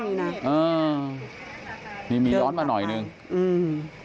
นี่มีร้อนมาหน่อยหนึ่งอืม